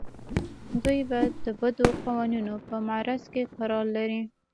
دوی د بدو قوانینو په معرض کې قرار لري.